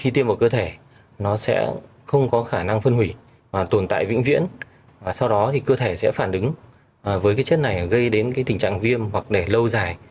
tồn tại vĩnh viễn sau đó cơ thể sẽ phản đứng với chất này gây đến tình trạng viêm hoặc để lâu dài